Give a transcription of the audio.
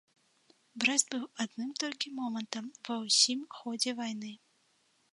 Брэст быў адным толькі момантам ва ўсім ходзе вайны.